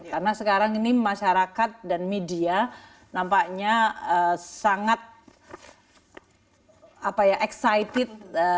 karena sekarang ini masyarakat dan media nampaknya sangat excited